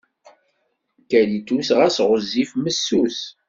Kalitus, xas ɣezzif, messus.